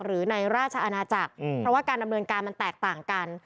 หรือในราชอาณาจักรเพราะว่าการดำเนินการมันแตกต่างกัน